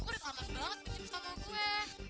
kok udah lama banget pinjem sama gue